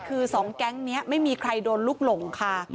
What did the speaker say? คือ๒แก๊งนี้ไม่มีใครโดนลูกหลงค่ะ